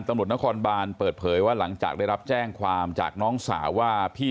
ตำรวจนครบานเปิดเผยว่าหลังจากได้รับแจ้งความจากน้องสาวว่าพี่